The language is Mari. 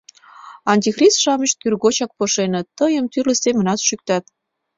Антихрист-шамыч тӱргочак пошеныт, Тыйым тӱрлӧ семынат шӱктат...